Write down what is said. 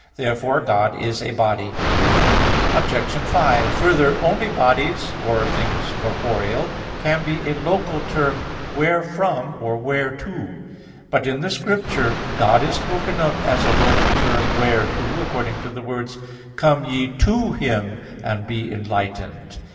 3:13). Therefore God is a body. Obj. 5: Further, only bodies or things corporeal can be a local term wherefrom or whereto. But in the Scriptures God is spoken of as a local term whereto, according to the words, "Come ye to Him and be enlightened" (Ps.